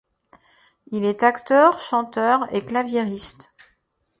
Il est acteur, chanteur et clavieriste.